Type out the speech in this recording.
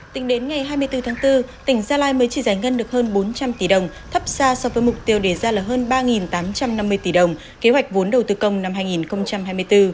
tính đến ngày hai mươi bốn tháng bốn tỉnh gia lai mới chỉ giải ngân được hơn bốn trăm linh tỷ đồng thấp xa so với mục tiêu đề ra là hơn ba tám trăm năm mươi tỷ đồng kế hoạch vốn đầu tư công năm hai nghìn hai mươi bốn